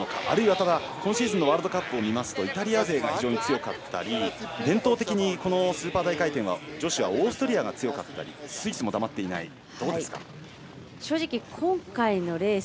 あるいは、今シーズンのワールドカップを見ますとイタリア勢が非常に強かったり伝統的にスーパー大回転は女子はオーストリアが強かったりスイスも黙っていない。